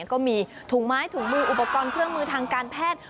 ก็มีถุงไม้ถุงมืออุปกรณ์เครื่องมือทางการแพทย์